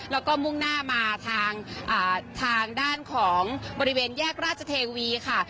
แล้วก็มุ่งหน้ามาทางด้านของบริเวณแยกราชเทวีค่ะ